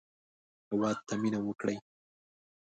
هېواد ته مېنه وکړئ